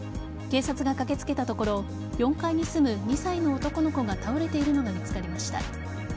警察が駆けつけたところ４階に住む２歳の男の子が倒れているのが見つかりました。